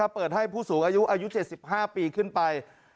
เปิดให้ผู้สูงอายุอายุ๗๕ปีขึ้นไป